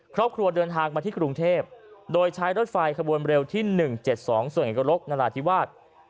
ครอบครัวเดินทางมาที่กรุงเทพโดยใช้รถไฟขบวนเร็วที่๑๗๒ส่วนเอกรกนราธิวาส